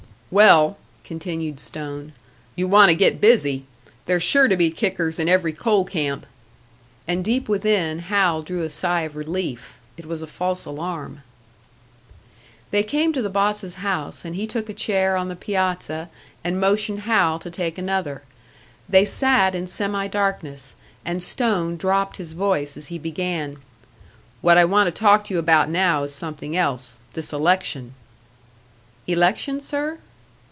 "Well," continued Stone, "you want to get busy; there's sure to be kickers in every coal camp." And deep within, Hal drew a sigh of relief. It was a false alarm! They came to the boss's house, and he took a chair on the piazza and motioned Hal to take another. They sat in semi darkness, and Stone dropped his voice as he began. "What I want to talk to you about now is something else this election." "Election, sir?"